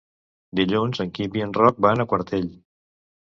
Dilluns en Quim i en Roc van a Quartell.